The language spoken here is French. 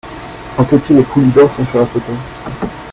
Anquetil et Poulidor sont sur la photo.